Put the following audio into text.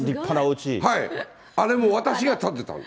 あれも私が建てたの。